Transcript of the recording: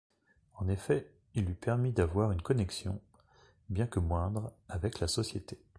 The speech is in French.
En effet, il lui permit d'avoir une connexion, bien que moindre, avec la société.